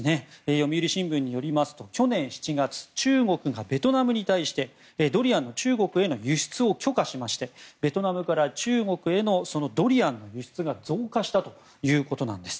読売新聞によりますと去年７月中国がベトナムに対してドリアンの中国への輸出を許可しましてベトナムから中国へのドリアンの輸出が増加したということなんです。